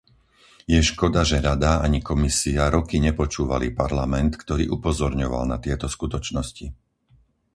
Je škoda, že Rada ani Komisia roky nepočúvali Parlament, ktorý upozorňoval na tieto skutočnosti.